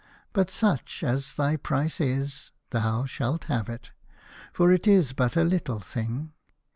But such as thy price is thou shalt have it, for it is but a little thing."